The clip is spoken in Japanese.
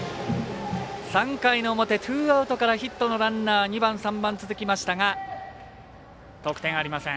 ３回の表、ツーアウトからヒットのランナー２番、３番続きましたが得点ありません。